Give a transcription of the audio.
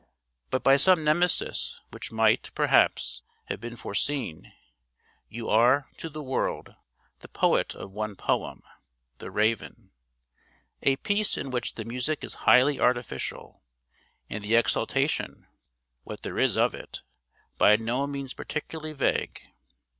But by some Nemesis which might, perhaps, have been foreseen, you are, to the world, the poet of one poem 'The Raven:' a piece in which the music is highly artificial, and the 'exaltation' (what there is of it) by no means particularly 'vague.'